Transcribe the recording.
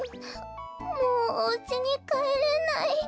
もうおうちにかえれない。